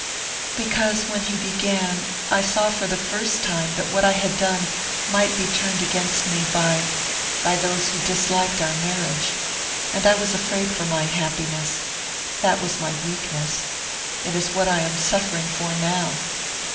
"Because when he began I saw for the first time that what I had done might be turned against me by by those who disliked our marriage. And I was afraid for my happiness. That was my weakness...it is what I am suffering for now."